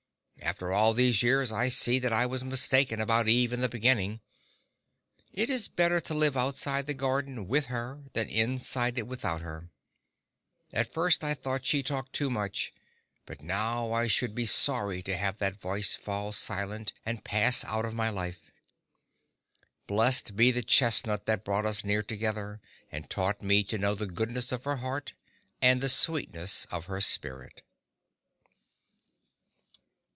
After all these years, I see that I was mistaken about Eve in the beginning; it is better to live outside the Garden with her than inside it without her. At first I thought she talked too much; but now I should be sorry to have that voice fall silent and pass out of my life. Blessed be the chestnut that brought us near together and taught me to know the goodness of her heart and the sweetness of her spirit!